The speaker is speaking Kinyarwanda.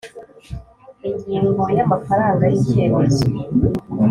Ingingo ya Amafaranga y icyemezo